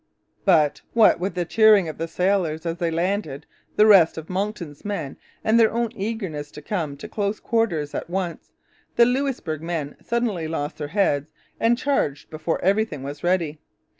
But, what with the cheering of the sailors as they landed the rest of Monckton's men, and their own eagerness to come to close quarters at once, the Louisbourg men suddenly lost their heads and charged before everything was ready.